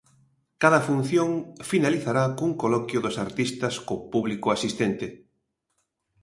Cada función finalizará cun coloquio dos artistas co público asistente.